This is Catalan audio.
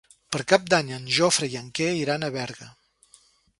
Per Cap d'Any en Jofre i en Quer iran a Berga.